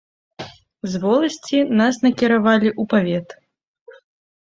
З воласці нас накіравалі ў павет.